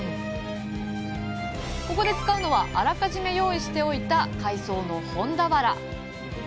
ここで使うのはあらかじめ用意しておいた海藻のホンダワラ。